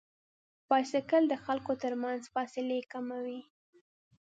بایسکل د خلکو تر منځ فاصلې کموي.